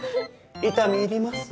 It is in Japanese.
痛み入ります。